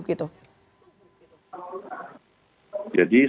jadi sebagian dari varian ini